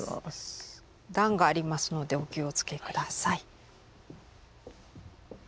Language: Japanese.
段がありますのでお気をつけ下さい。